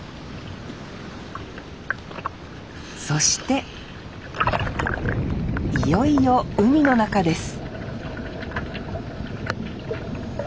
そしていよいよ海の中です